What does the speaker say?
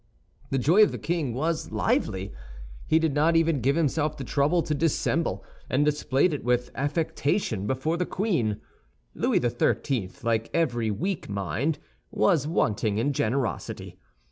The joy of the king was lively. He did not even give himself the trouble to dissemble, and displayed it with affectation before the queen. Louis XIII., like every weak mind, was wanting in generosity.